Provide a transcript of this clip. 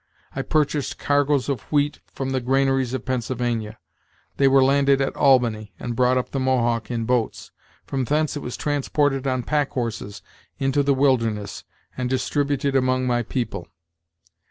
I purchased cargoes of wheat from the granaries of Pennsylvania; they were landed at Albany and brought up the Mohawk in boats; from thence it was transported on pack horses into the wilderness and distributed among my people.